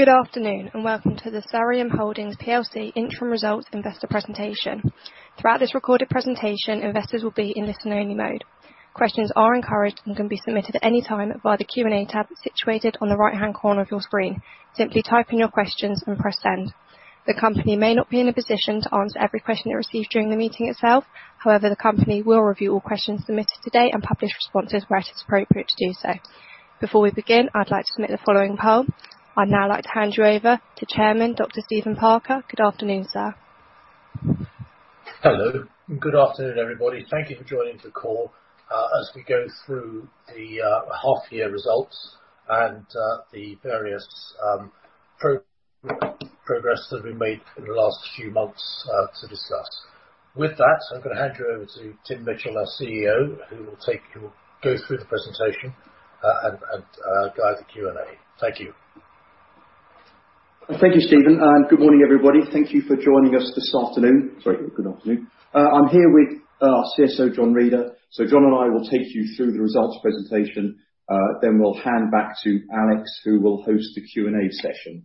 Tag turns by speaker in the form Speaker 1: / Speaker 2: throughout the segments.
Speaker 1: Good afternoon, welcome to the Sareum Holdings PLC interim results investor presentation. Throughout this recorded presentation, investors will be in listen-only mode. Questions are encouraged and can be submitted at any time via the Q&A tab situated on the right-hand corner of your screen. Simply type in your questions and press Send. The company may not be in a position to answer every question it receives during the meeting itself. The company will review all questions submitted today and publish responses where it is appropriate to do so. Before we begin, I'd like to submit the following poll. I'd now like to hand you over to Chairman, Dr. Stephen Parker. Good afternoon, sir.
Speaker 2: Hello. Good afternoon, everybody. Thank you for joining the call, as we go through the half year results and the various progress that we've made in the last few months to discuss. With that, I'm gonna hand you over to Tim Mitchell, our CEO, who will take you through the presentation and guide the Q&A. Thank you.
Speaker 3: Thank you, Stephen. Good morning, everybody. Thank you for joining us this afternoon. Sorry, good afternoon. I'm here with our CSO, John Reader. John and I will take you through the results presentation, then we'll hand back to Alex, who will host the Q&A session.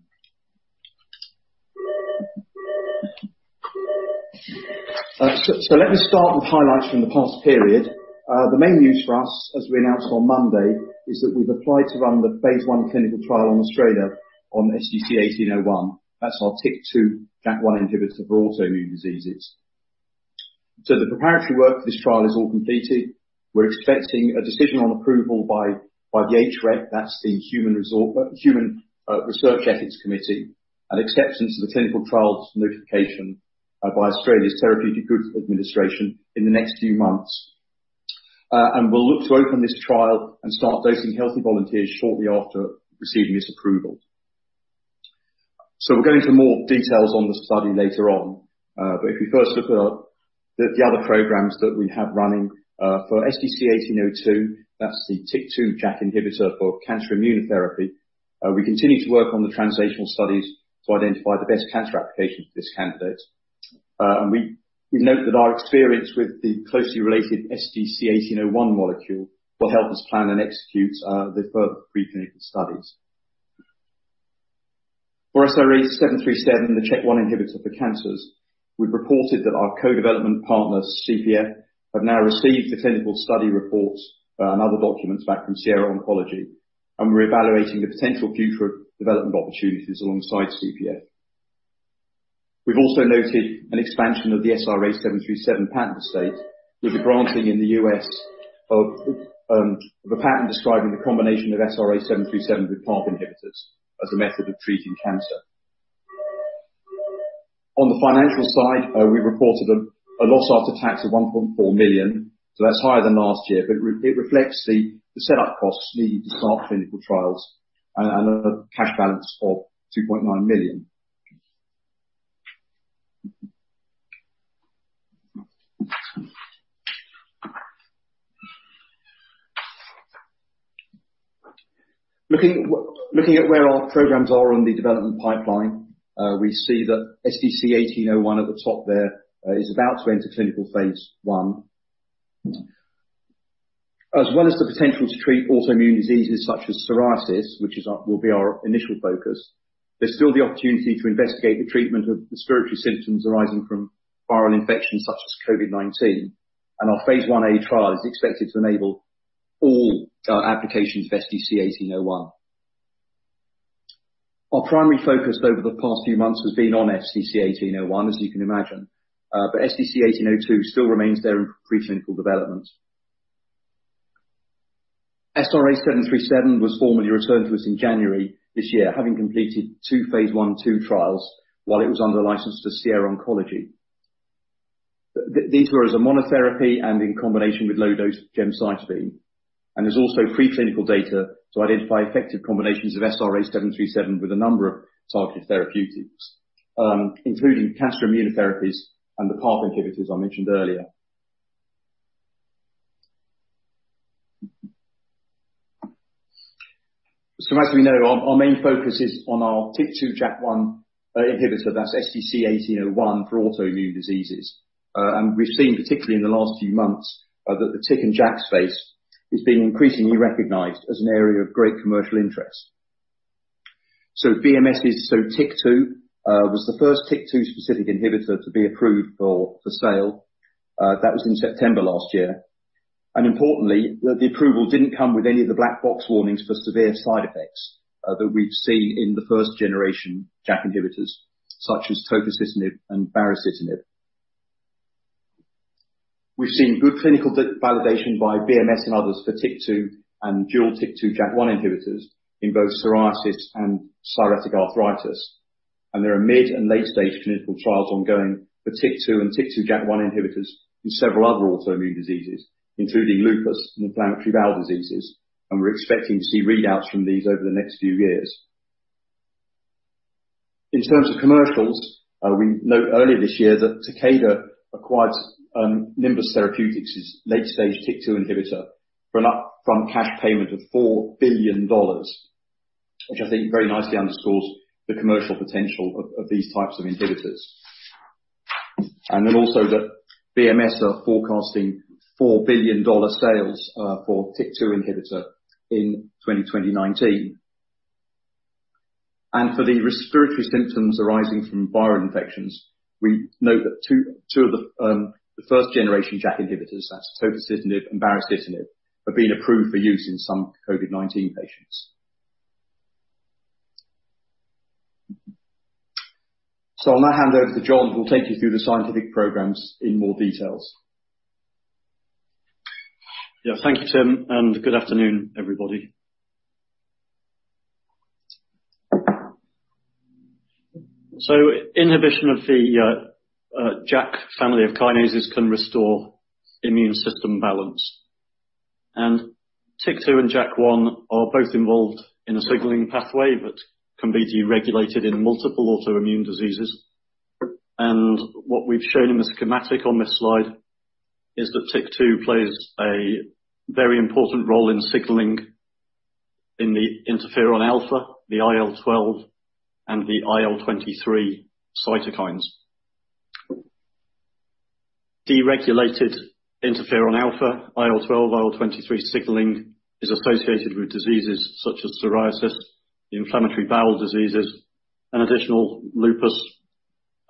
Speaker 3: Let me start with highlights from the past period. The main news for us, as we announced on Monday, is that we've applied to run the phase I clinical trial in Australia on SDC-1801. That's our TYK2/JAK1 inhibitor for autoimmune diseases. The preparatory work for this trial is all completed. We're expecting a decision on approval by the HREC, that's the Human Research Ethics Committee, and acceptance to the Clinical Trial Notification by Australia's Therapeutic Goods Administration in the next few months. We'll look to open this trial and start dosing healthy volunteers shortly after receiving this approval. We'll go into more details on the study later on. If we first look at the other programs that we have running, for SDC-1802, that's the TYK2/JAK1 inhibitor for cancer immunotherapy. We continue to work on the translational studies to identify the best cancer application for this candidate. We note that our experience with the closely related SDC-1801 molecule will help us plan and execute the further pre-clinical studies. For SRA737, the Chk1 inhibitor for cancers, we've reported that our co-development partners, CPF, have now received the clinical study reports and other documents back from Sierra Oncology, and we're evaluating the potential future development opportunities alongside CPF. We've also noted an expansion of the SRA737 patent estate with the granting in the U.S. of the patent describing the combination of SRA737 with PARP inhibitors as a method of treating cancer. On the financial side, we reported a loss after tax of 1.4 million, so that's higher than last year. It reflects the setup costs needed to start clinical trials and a cash balance of 2.9 million. Looking at where our programs are on the development pipeline, we see that SDC-1801 at the top there is about to enter clinical phase I. As well as the potential to treat autoimmune diseases such as psoriasis, which will be our initial focus. There's still the opportunity to investigate the treatment of respiratory symptoms arising from viral infections such as COVID-19. Our phase I-A trial is expected to enable all applications of SDC-1801. Our primary focus over the past few months has been on SDC-1801, as you can imagine. SDC-1802 still remains there in preclinical development. SRA737 was formally returned to us in January this year, having completed two phase I/II trials while it was under license to Sierra Oncology. These were as a monotherapy and in combination with low-dose gemcitabine. There's also preclinical data to identify effective combinations of SRA737 with a number of targeted therapeutics, including cancer immunotherapies and the PARP inhibitors I mentioned earlier. As we know, our main focus is on our TYK2/JAK1 inhibitor, that's SDC-1801 for autoimmune diseases. We've seen, particularly in the last few months, that the TYK and JAK space is being increasingly recognized as an area of great commercial interest. TYK2 was the first TYK2 specific inhibitor to be approved for sale. That was in September last year. Importantly, the approval didn't come with any of the black box warnings for severe side effects that we've seen in the first generation JAK inhibitors such as tofacitinib and baricitinib. We've seen good clinical validation by BMS and others for TYK2 and dual TYK2/JAK1 inhibitors in both psoriasis and psoriatic arthritis. There are mid and late-stage clinical trials ongoing for TYK2 and TYK2/JAK1 inhibitors in several other autoimmune diseases, including lupus and inflammatory bowel diseases. We're expecting to see readouts from these over the next few years. In terms of commercials, we note earlier this year that Takeda acquired Nimbus Therapeutics' late-stage TYK2 inhibitor for an upfront cash payment of $4 billion, which I think very nicely underscores the commercial potential of these types of inhibitors. Also that BMS are forecasting $4 billion sales for TYK2 inhibitor in 2029. For the respiratory symptoms arising from viral infections, we note that two of the first generation JAK inhibitors, that's tofacitinib and baricitinib, have been approved for use in some COVID-19 patients. I'm gonna hand over to John, who will take you through the scientific programs in more details.
Speaker 4: Yeah. Thank you, Tim, and good afternoon, everybody. Inhibition of the JAK family of kinases can restore immune system balance. TYK2 and JAK1 are both involved in a signaling pathway that can be deregulated in multiple autoimmune diseases. What we've shown in the schematic on this slide is that TYK2 plays a very important role in signaling in the interferon-alpha, the IL-12, and the IL-23 cytokines. Deregulated interferon-alpha, IL-12, IL-23 signaling is associated with diseases such as psoriasis, inflammatory bowel diseases, and additional lupus,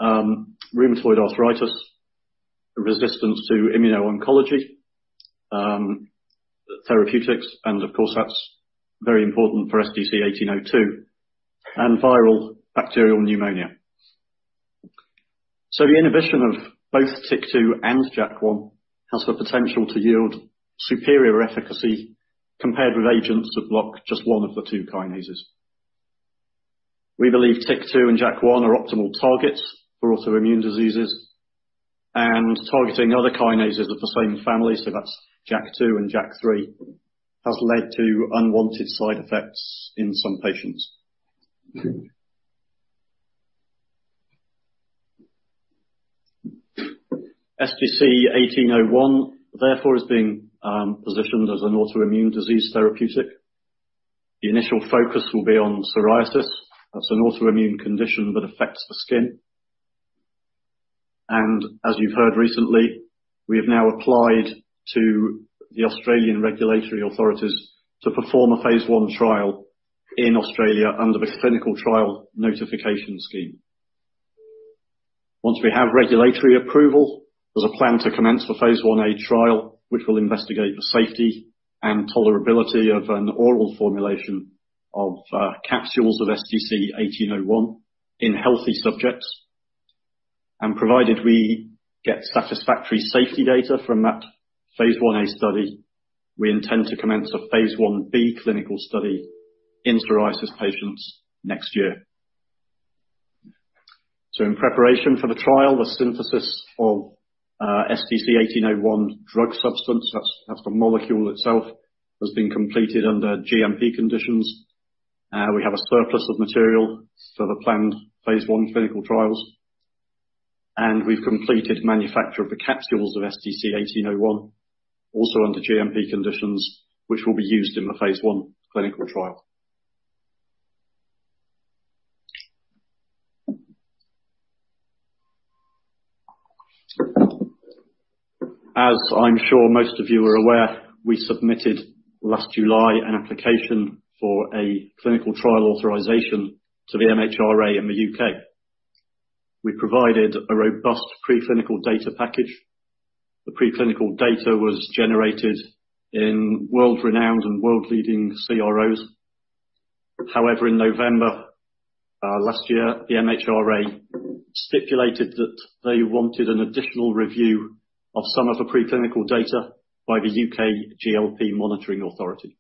Speaker 4: rheumatoid arthritis, resistance to immuno-oncology therapeutics, and of course, that's very important for SDC-1802, and viral bacterial pneumonia. The inhibition of both TYK2 and JAK1 has the potential to yield superior efficacy compared with agents that block just one of the two kinases. We believe TYK2 and JAK1 are optimal targets for autoimmune diseases, targeting other kinases of the same family, so that's JAK2 and JAK3, has led to unwanted side effects in some patients. SDC-1801, therefore, is being positioned as an autoimmune disease therapeutic. The initial focus will be on psoriasis. That's an autoimmune condition that affects the skin. As you've heard recently, we have now applied to the Australian regulatory authorities to perform a phase I trial in Australia under the Clinical Trial Notification scheme. Once we have regulatory approval, there's a plan to commence the phase I-A trial, which will investigate the safety and tolerability of an oral formulation of capsules of SDC-1801 in healthy subjects. Provided we get satisfactory safety data from that phase I-A study, we intend to commence a phase I-B clinical study in psoriasis patients next year. In preparation for the trial, the synthesis of SDC-1801 drug substance, that's the molecule itself, has been completed under GMP conditions. We have a surplus of material for the planned phase I clinical trials. We've completed manufacture of the capsules of SDC-1801 also under GMP conditions, which will be used in the phase I clinical trial. As I'm sure most of you are aware, we submitted last July an application for a clinical trial authorization to the MHRA in the U.K. We provided a robust preclinical data package. The preclinical data was generated in world-renowned and world-leading CROs. In November, last year, the MHRA stipulated that they wanted an additional review of some of the preclinical data by the UK GLP Monitoring Authority.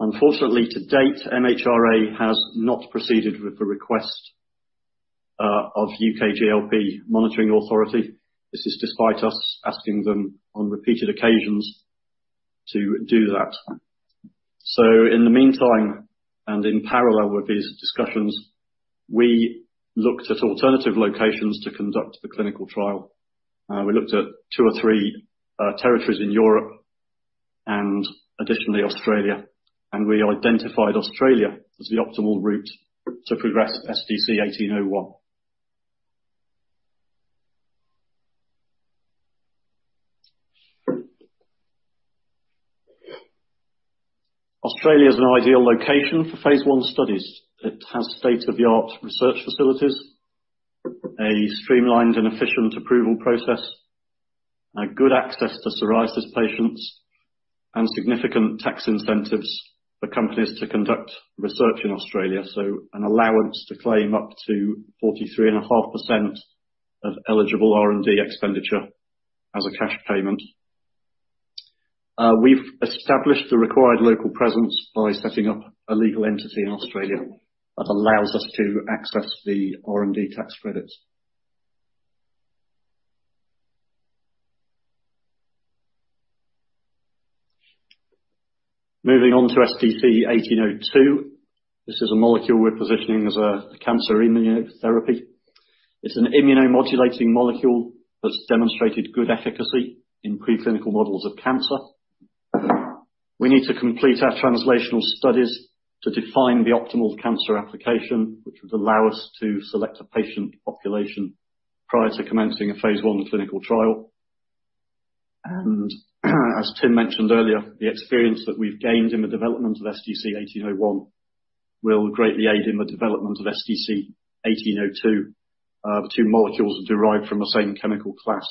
Speaker 4: Unfortunately, to date, MHRA has not proceeded with the request of UK GLP Monitoring Authority. This is despite us asking them on repeated occasions to do that. In the meantime, and in parallel with these discussions, we looked at alternative locations to conduct the clinical trial. We looked at two or three territories in Europe and additionally Australia, and we identified Australia as the optimal route to progress SDC-1801. Australia is an ideal location for phase I studies. It has state-of-the-art research facilities, a streamlined and efficient approval process, a good access to psoriasis patients, and significant tax incentives for companies to conduct research in Australia, so an allowance to claim up to 43.5% of eligible R&D expenditure as a cash payment. We've established the required local presence by setting up a legal entity in Australia that allows us to access the R&D tax credits. Moving on to SDC-1802. This is a molecule we're positioning as a cancer immunotherapy. It's an immunomodulating molecule that's demonstrated good efficacy in preclinical models of cancer. We need to complete our translational studies to define the optimal cancer application, which would allow us to select a patient population prior to commencing a phase I clinical trial. As Tim mentioned earlier, the experience that we've gained in the development of SDC-1801 will greatly aid in the development of SDC-1802. The two molecules are derived from the same chemical class.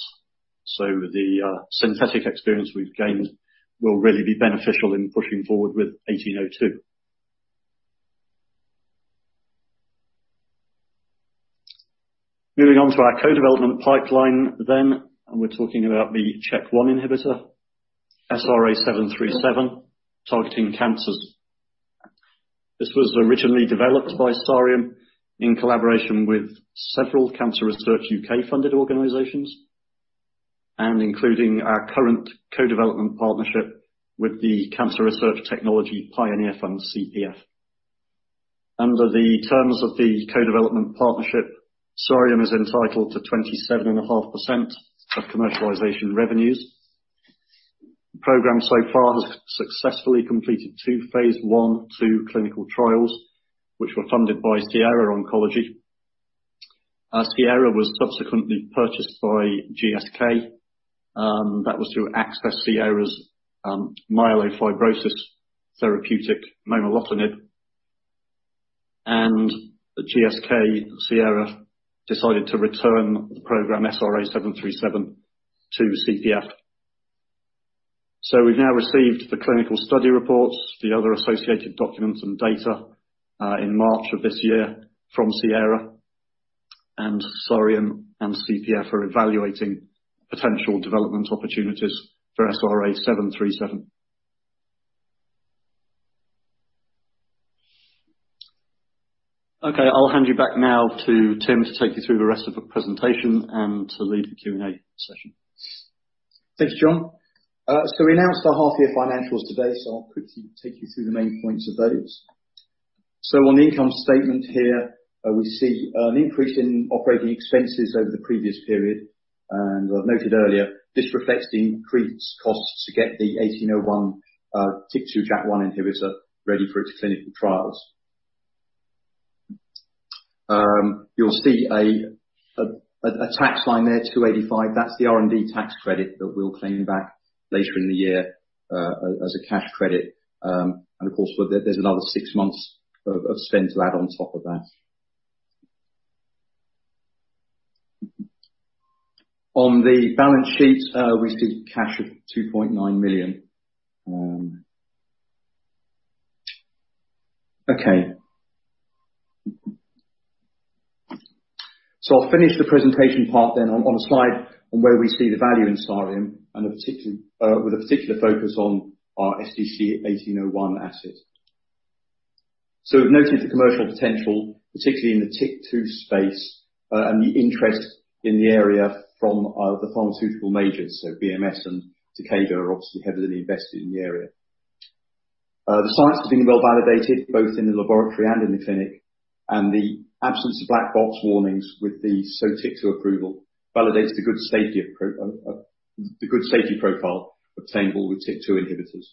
Speaker 4: The synthetic experience we've gained will really be beneficial in pushing forward with 1802. Moving on to our co-development pipeline then, we're talking about the CHK1 inhibitor, SRA737, targeting cancers. This was originally developed by Sareum in collaboration with several Cancer Research UK funded organizations, and including our current co-development partnership with the Cancer Research Technology Pioneer Fund, CPF. Under the terms of the co-development partnership, Sareum is entitled to 27.5% of commercialization revenues. The program so far has successfully completed two phase I/II clinical trials, which were funded by Sierra Oncology. Sierra was subsequently purchased by GSK, that was through access to Sierra's myelofibrosis therapeutic, momelotinib. GSK, Sierra decided to return the program SRA737 to CPF. We've now received the clinical study reports, the other associated documents and data in March of this year from Sierra, and Sareum and CPF are evaluating potential development opportunities for SRA737. Okay, I'll hand you back now to Tim to take you through the rest of the presentation and to lead the Q&A session.
Speaker 3: Thanks, John. We announced our half-year financials today, so I'll quickly take you through the main points of those. On the income statement here, we see an increase in operating expenses over the previous period. I've noted earlier, this reflects the increased costs to get the SDC-1801 TYK2/JAK1 inhibitor ready for its clinical trials. You'll see a tax line there, 285. That's the R&D tax credit that we'll claim back later in the year as a cash credit. Of course, there's another six months of spend to add on top of that. On the balance sheet, we see cash of 2.9 million. Okay. I'll finish the presentation part then on a slide on where we see the value in Sareum and a particular focus on our SDC-1801 asset. We've noted the commercial potential, particularly in the TYK2 space, and the interest in the area from the pharmaceutical majors. BMS and Takeda are obviously heavily invested in the area. The science has been well validated, both in the laboratory and in the clinic, and the absence of black box warnings with the Sotyktu approval validates the good safety profile obtainable with TYK2 inhibitors.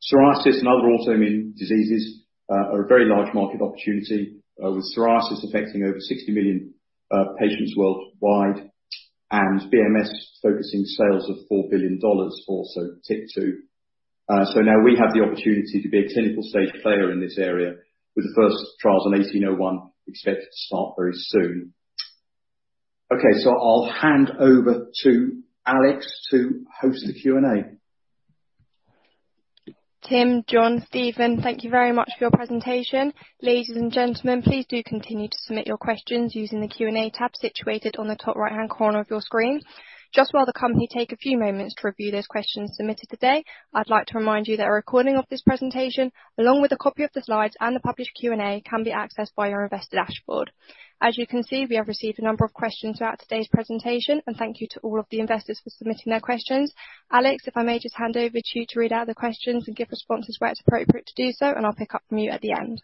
Speaker 3: Psoriasis and other autoimmune diseases are a very large market opportunity, with psoriasis affecting over 60 million patients worldwide and BMS focusing sales of $4 billion for, so TYK2. Now we have the opportunity to be a clinical stage player in this area with the first trials on 1801 expected to start very soon. Okay, I'll hand over to Alex to host the Q&A.
Speaker 1: Tim, John, Stephen, thank you very much for your presentation. Ladies and gentlemen, please do continue to submit your questions using the Q&A tab situated on the top right-hand corner of your screen. Just while the company take a few moments to review those questions submitted today, I'd like to remind you that a recording of this presentation, along with a copy of the slides and the published Q&A, can be accessed by our investor dashboard. As you can see, we have received a number of questions throughout today's presentation, and thank you to all of the investors for submitting their questions. Alex, if I may just hand over to you to read out the questions and give responses where it's appropriate to do so, and I'll pick up from you at the end.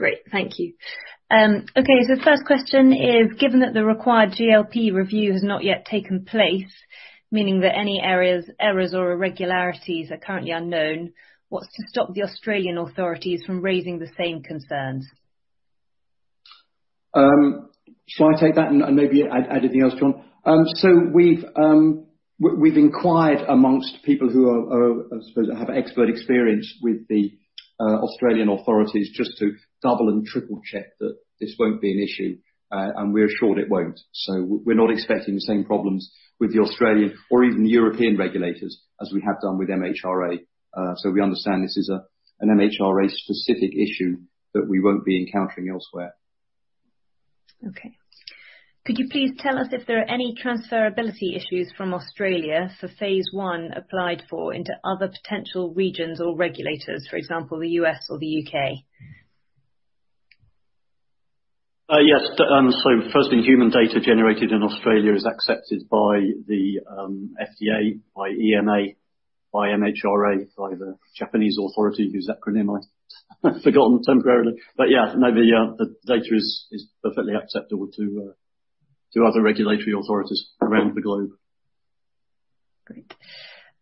Speaker 5: Great. Thank you. Okay, the first question is, given that the required GLP review has not yet taken place, meaning that any areas, errors or irregularities are currently unknown, what's to stop the Australian authorities from raising the same concerns?
Speaker 3: Shall I take that and maybe add anything else, John? We've inquired amongst people who are, I suppose, have expert experience with the Australian authorities just to double and triple-check that this won't be an issue, and we're assured it won't. We're not expecting the same problems with the Australian or even European regulators as we have done with MHRA. We understand this is an MHRA-specific issue that we won't be encountering elsewhere.
Speaker 5: Okay. Could you please tell us if there are any transferability issues from Australia for phase I applied for into other potential regions or regulators, for example, the U.S. or the U.K.?
Speaker 4: Yes. First thing, human data generated in Australia is accepted by the FDA, by EMA, by MHRA, by the Japanese authority, whose acronym I've forgotten temporarily. Yeah, no, the data is perfectly acceptable to other regulatory authorities around the globe.
Speaker 5: Great.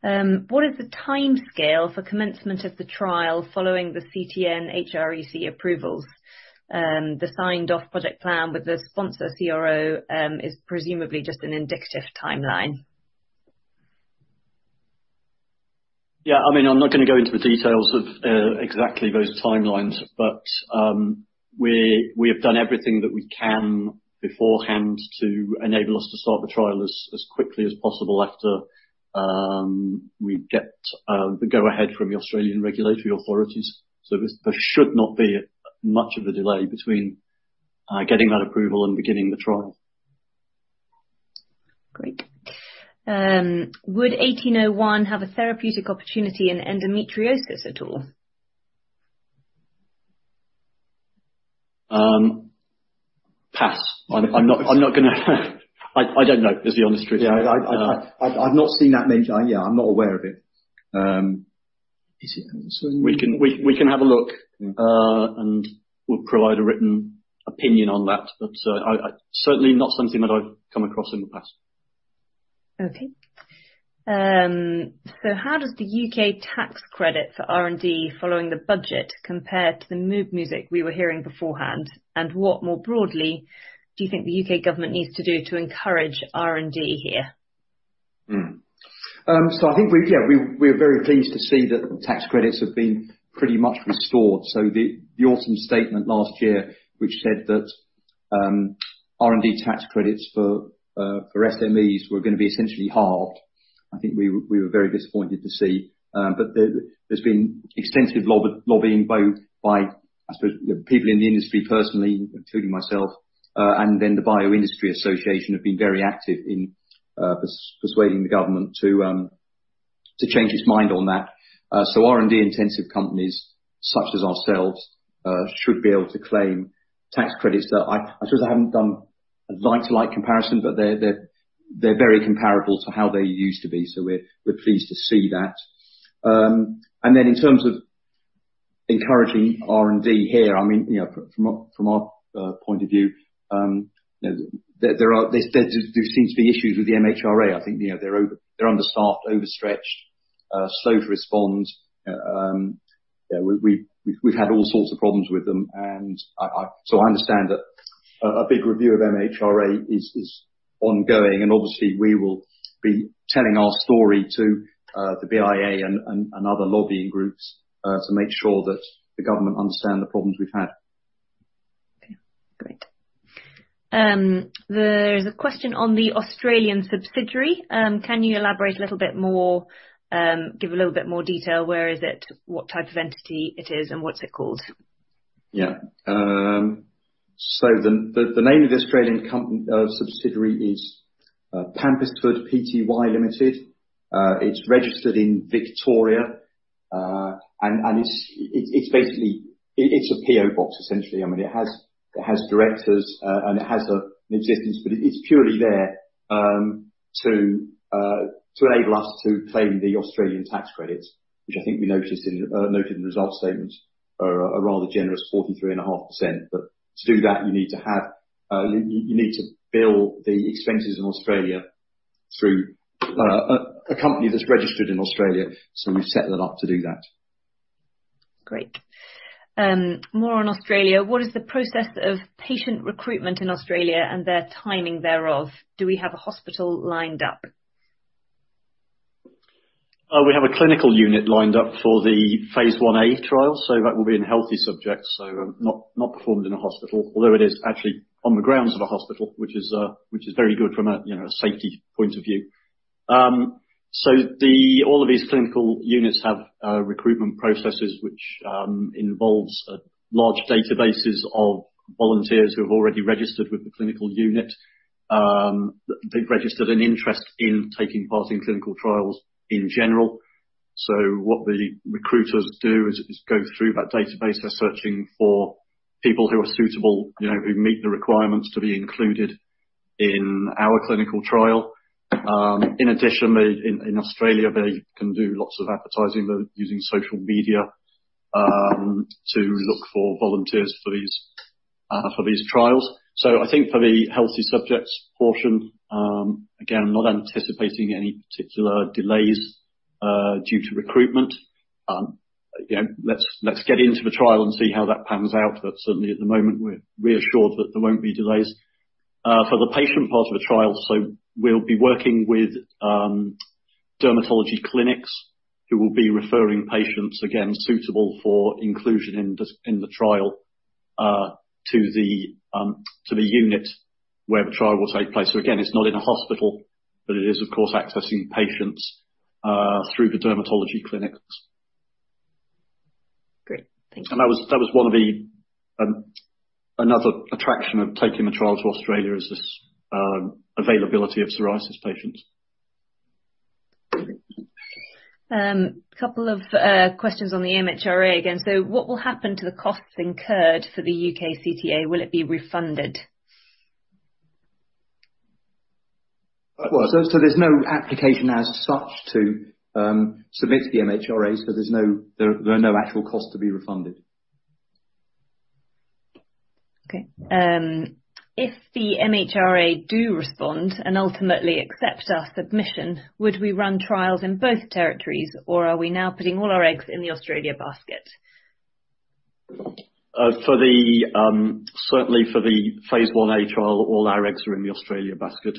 Speaker 5: What is the timescale for commencement of the trial following the CTN HREC approvals? The signed-off project plan with the sponsor CRO, is presumably just an indicative timeline.
Speaker 4: I mean, I'm not gonna go into the details of exactly those timelines, but we have done everything that we can beforehand to enable us to start the trial as quickly as possible after we get the go-ahead from the Australian regulatory authorities. There should not be much of a delay between getting that approval and beginning the trial.
Speaker 5: Great. Would 1801 have a therapeutic opportunity in endometriosis at all?
Speaker 4: Pass. I'm not gonna I don't know is the honest truth.
Speaker 3: Yeah. I've not seen that mentioned. Yeah, I'm not aware of it. Is it also.
Speaker 4: We can have a look.
Speaker 3: Mm.
Speaker 4: We'll provide a written opinion on that. Certainly not something that I've come across in the past.
Speaker 5: Okay. How does the U.K. tax credit for R&D following the budget compare to the mood music we were hearing beforehand? What more broadly do you think the U.K. government needs to do to encourage R&D here?
Speaker 3: I think yeah, we're very pleased to see that tax credits have been pretty much restored. The Autumn Statement last year which said that R&D tax credits for SMEs were gonna be essentially halved. I think we were very disappointed to see. There's been extensive lobbying both by, I suppose, people in the industry personally, including myself, and then the BioIndustry Association have been very active in persuading the government to change its mind on that. R&D-intensive companies such as ourselves should be able to claim tax credits that I suppose I haven't done a line to line comparison, but they're very comparable to how they used to be. We're pleased to see that. Then in terms of encouraging R&D here, I mean, you know, from our point of view, you know, there are issues with the MHRA. I think, you know, they're understaffed, overstretched, slow to respond. We've had all sorts of problems with them. So I understand that a big review of MHRA is ongoing, and obviously we will be telling our story to the BIA and other lobbying groups to make sure that the government understand the problems we've had.
Speaker 5: Okay, great. There's a question on the Australian subsidiary. Can you elaborate a little bit more, give a little bit more detail, where is it, what type of entity it is, and what's it called?
Speaker 3: Yeah. The name of the Australian subsidiary is Pampisford PTY Limited. It's registered in Victoria. It's a PO box, essentially. I mean, it has directors, and it has a existence, but it's purely there to enable us to claim the Australian tax credits, which I think we noted in the results statement, are a rather generous 43.5%. To do that, you need to bill the expenses in Australia through a company that's registered in Australia. We've set that up to do that.
Speaker 5: Great. More on Australia. What is the process of patient recruitment in Australia and the timing thereof? Do we have a hospital lined up?
Speaker 4: We have a clinical unit lined up for the phase I-A trial, so that will be in healthy subjects. Not performed in a hospital. Although it is actually on the grounds of a hospital, which is, which is very good from a, you know, a safety point of view. So all of these clinical units have recruitment processes, which involves large databases of volunteers who have already registered with the clinical unit. They've registered an interest in taking part in clinical trials in general. What the recruiters do is go through that database. They're searching for people who are suitable, you know, who meet the requirements to be included in our clinical trial. In addition, in Australia, they can do lots of advertising using social media to look for volunteers for these trials. I think for the healthy subjects portion, again, I'm not anticipating any particular delays due to recruitment. Again, let's get into the trial and see how that pans out. Certainly at the moment, we're reassured that there won't be delays. For the patient part of the trial, we'll be working with dermatology clinics who will be referring patients, again, suitable for inclusion in the trial to the unit where the trial will take place. Again, it's not in a hospital, but it is of course accessing patients through the dermatology clinics.
Speaker 5: Great. Thank you.
Speaker 4: That was one of the another attraction of taking the trial to Australia is this availability of psoriasis patients.
Speaker 5: Couple of questions on the MHRA again. What will happen to the costs incurred for the UK CTA? Will it be refunded?
Speaker 3: Well, there's no application as such to submit to the MHRA so there are no actual costs to be refunded.
Speaker 5: If the MHRA do respond and ultimately accept our submission, would we run trials in both territories, or are we now putting all our eggs in the Australia basket?
Speaker 4: For the, certainly for the phase I-A trial, all our eggs are in the Australia basket.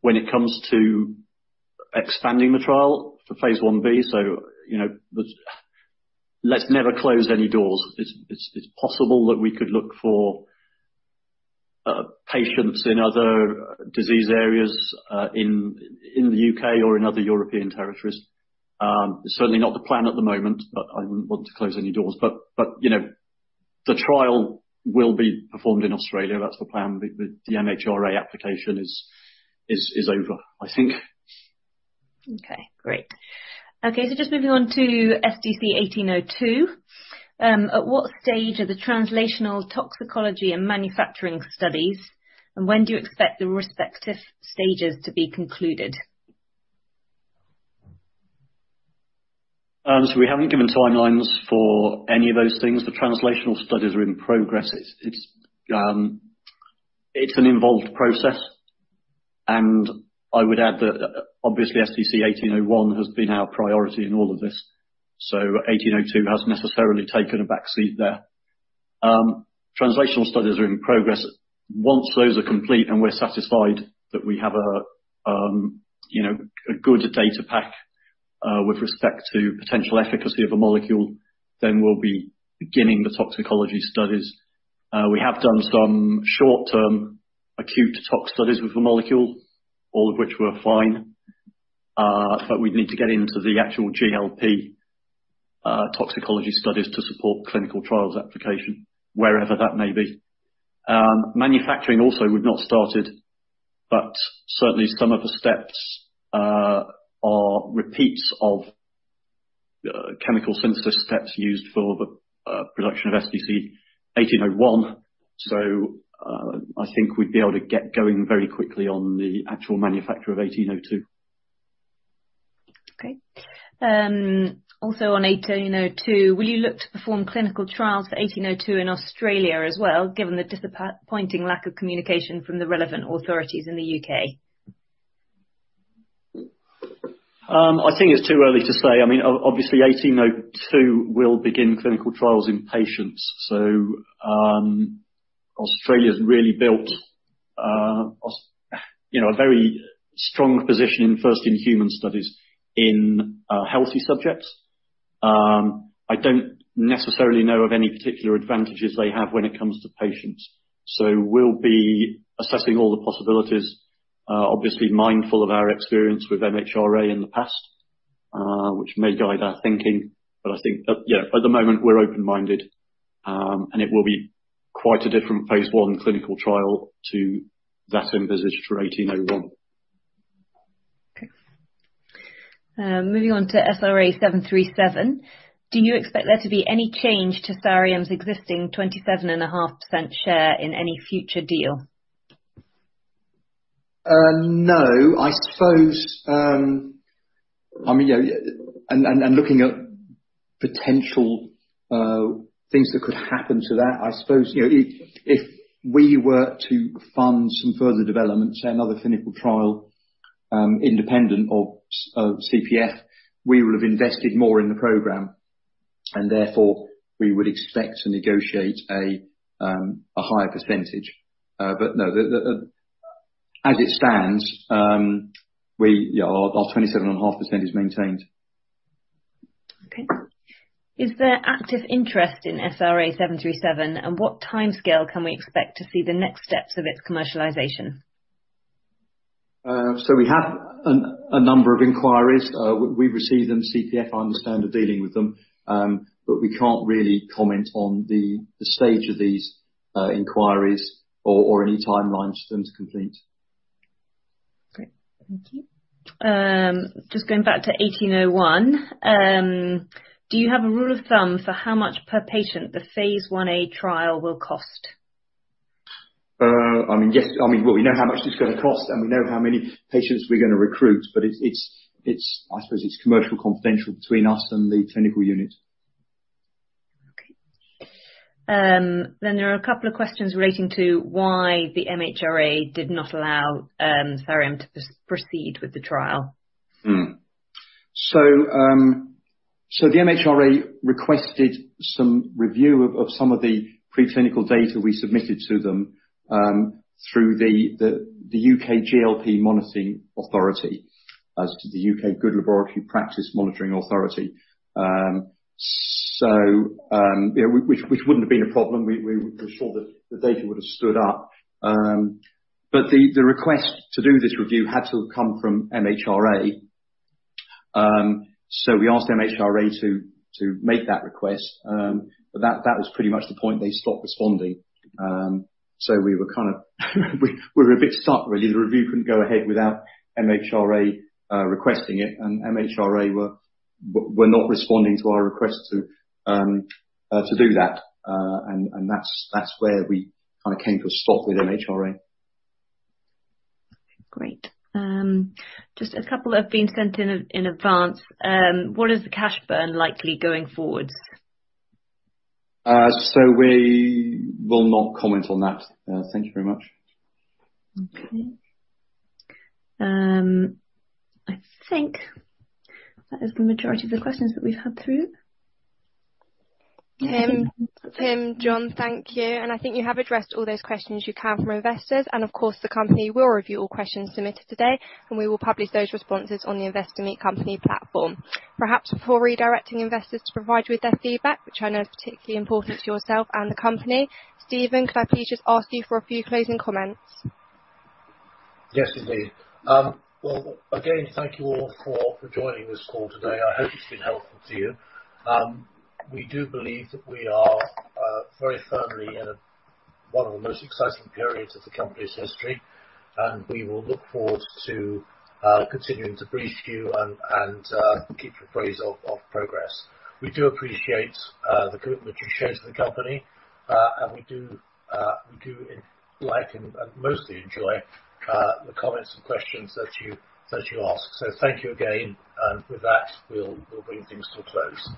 Speaker 4: When it comes to expanding the trial for phase I-B, you know, let's never close any doors. It's possible that we could look for patients in other disease areas in the U.K. or in other European territories. Certainly not the plan at the moment, I wouldn't want to close any doors. You know, the trial will be performed in Australia. That's the plan. The MHRA application is over, I think.
Speaker 5: Okay, great. Just moving on to SDC-1802. At what stage are the translational toxicology and manufacturing studies, and when do you expect the respective stages to be concluded?
Speaker 4: We haven't given timelines for any of those things. The translational studies are in progress. It's an involved process. I would add that obviously SDC-1801 has been our priority in all of this, 1802 has necessarily taken a backseat there. Translational studies are in progress. Once those are complete and we're satisfied that we have a, you know, a good data pack with respect to potential efficacy of a molecule, we'll be beginning the toxicology studies. We have done some short-term acute tox studies with the molecule, all of which were fine. We'd need to get into the actual GLP toxicology studies to support Clinical Trial Application, wherever that may be. Manufacturing also we've not started, but certainly some of the steps are repeats of chemical synthesis steps used for the production of SDC-1801. I think we'd be able to get going very quickly on the actual manufacture of 1802.
Speaker 5: Okay. Also on 1802, will you look to perform clinical trials for 1802 in Australia as well, given the disappointing lack of communication from the relevant authorities in the U.K.?
Speaker 4: I think it's too early to say. I mean, obviously 1802 will begin clinical trials in patients. Australia's really built, you know, a very strong position in first in human studies in healthy subjects. I don't necessarily know of any particular advantages they have when it comes to patients. We'll be assessing all the possibilities, obviously mindful of our experience with MHRA in the past, which may guide our thinking. I think at the moment we're open-minded, and it will be quite a different phase I clinical trial to that envisaged for 1801.
Speaker 5: Okay. Moving on to SRA737. Do you expect there to be any change to Sareum's existing 27.5% share in any future deal?
Speaker 3: No. I suppose, I mean, you know, and looking at potential things that could happen to that, I suppose, you know, if we were to fund some further development, say another clinical trial, independent of CPF, we would have invested more in the program, and therefore we would expect to negotiate a higher percentage. No. As it stands, we, you know, our 27.5% is maintained.
Speaker 5: Is there active interest in SRA737, and what timescale can we expect to see the next steps of its commercialization?
Speaker 3: We have a number of inquiries. We've received them. CPF, I understand, are dealing with them. We can't really comment on the stage of these inquiries or any timelines for them to complete.
Speaker 5: Okay. Thank you. Just going back to 1801. Do you have a rule of thumb for how much per patient the phase I-A trial will cost?
Speaker 4: I mean, yes. I mean, well, we know how much it's gonna cost, and we know how many patients we're gonna recruit, but it's, I suppose it's commercial confidential between us and the clinical unit.
Speaker 5: Okay. There are a couple of questions relating to why the MHRA did not allow Sareum to proceed with the trial.
Speaker 4: The MHRA requested some review of some of the preclinical data we submitted to them, through the UK GLP Monitoring Authority as to the UK Good Laboratory Practice Monitoring Authority. You know, which wouldn't have been a problem. We were sure that the data would have stood up. The request to do this review had to have come from MHRA. We asked MHRA to make that request, that was pretty much the point they stopped responding. We were kind of we were a bit stuck really. The review couldn't go ahead without MHRA requesting it, and MHRA were- Were not responding to our request to do that, and that's where we kinda came to a stop with MHRA.
Speaker 5: Great. Just a couple have been sent in advance. What is the cash burn likely going forward?
Speaker 4: We will not comment on that. Thank you very much.
Speaker 5: I think that is the majority of the questions that we've had through.
Speaker 1: Tim, John, thank you, I think you have addressed all those questions you can from investors. Of course, the company will review all questions submitted today, and we will publish those responses on the Investor Meet Company platform. Perhaps before redirecting investors to provide you with their feedback, which I know is particularly important to yourself and the company, Stephen, could I please just ask you for a few closing comments?
Speaker 2: Yes, indeed. Well, again, thank you all for joining this call today. I hope it's been helpful to you. We do believe that we are very firmly in one of the most exciting periods of the company's history, and we will look forward to continuing to brief you and keep you appraised of progress. We do appreciate the commitment you show to the company, and we do, we do like and mostly enjoy the comments and questions that you ask. Thank you again. With that, we'll bring things to a close.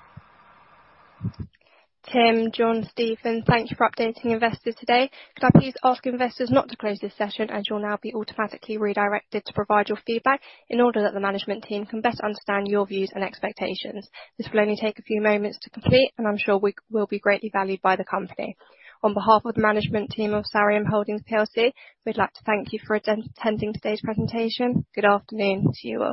Speaker 1: Tim, John, Stephen, thank you for updating investors today. Could I please ask investors not to close this session, as you'll now be automatically redirected to provide your feedback in order that the management team can best understand your views and expectations. This will only take a few moments to complete, and I'm sure we will be greatly valued by the company. On behalf of the management team of Sareum Holdings PLC, we'd like to thank you for attending today's presentation. Good afternoon to you all.